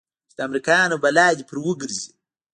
چې د امريکايانو بلا دې پر وګرځي.